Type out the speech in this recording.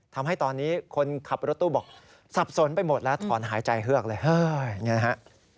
ทำให้ตอนนี้คนขับรถตู้บอกสับสนไปหมดแล้วถอนหายใจเฮือกเลยนะฮะ